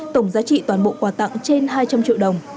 tổng giá trị toàn bộ quà tặng trên hai trăm linh triệu đồng